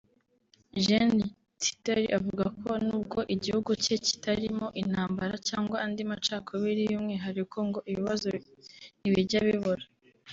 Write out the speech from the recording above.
Gen Sitali avuga ko nubwo igihugu cye kitarimo intambara cyangwa andi macakubiri y’umwihariko ngo ibibazo ntibijya bibura